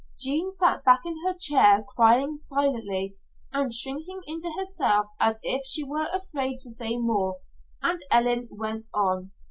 Jean sat back in her chair crying silently and shrinking into herself as if she were afraid to say more, and Ellen went on.